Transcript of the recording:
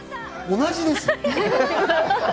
同じです。